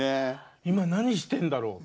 今何してんだろう？